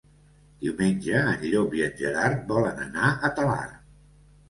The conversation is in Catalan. Diumenge en Llop i en Gerard volen anar a Talarn.